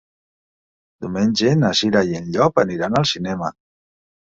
Diumenge na Cira i en Llop aniran al cinema.